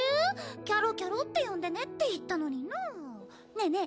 キャロキャロって呼んでねって言ったのになねえねえ